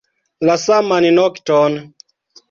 La saman nokton.